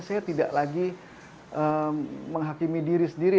saya tidak lagi menghakimi diri sendiri